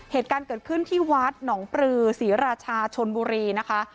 เหตุการณ์เกิดขึ้นที่วัดหนองปลือศรีราชาชนบุรีนะคะ